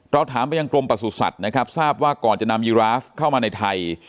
ถามไปยังกรมประสุทธิ์นะครับทราบว่าก่อนจะนำยีราฟเข้ามาในไทย